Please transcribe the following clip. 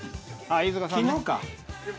昨日か。